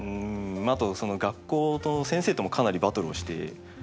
あと学校の先生ともかなりバトルをして。